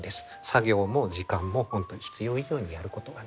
作業も時間も本当に必要以上にやることはない。